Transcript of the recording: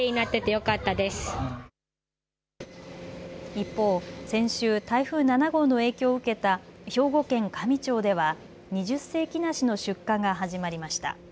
一方、先週、台風７号の影響を受けた兵庫県香美町では二十世紀梨の出荷が始まりました。